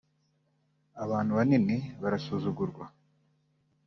“abantu banini barasuzugurwa